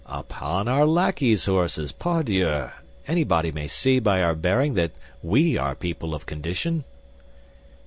"Upon our lackey's horses, pardieu. Anybody may see by our bearing that we are people of condition."